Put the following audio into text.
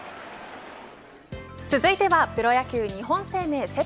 続いてはプロ野球日本生命セ